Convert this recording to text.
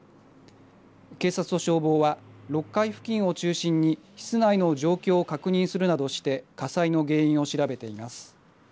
警察と消防は６階付近を中心に室内の状況を確認するなどして火災の原因を調べています。